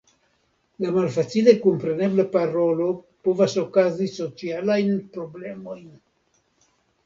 La malfacile komprenebla parolo povas okazi socialajn problemojn.